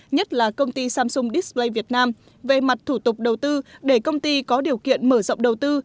nhất là công ty samsung display việt nam về mặt thủ tục đầu tư để công ty có điều kiện mở rộng đầu tư